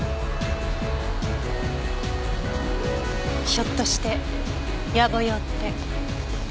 ひょっとして野暮用って。